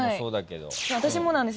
私もなんです